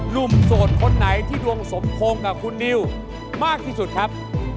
โสดคนไหนที่ดวงสมพงษ์กับคุณนิวมากที่สุดครับ